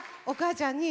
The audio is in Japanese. お母さん！